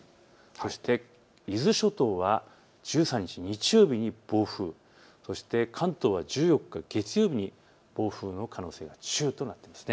そして伊豆諸島は１３日日曜日に暴風、そして関東は１４日月曜日に暴風の可能性が中となっています。